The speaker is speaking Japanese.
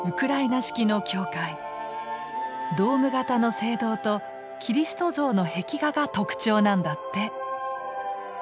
ドーム形の聖堂とキリスト像の壁画が特徴なんだって。